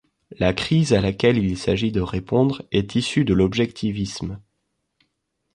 La crise à laquelle il s'agit de répondre est issue de l'objectivisme.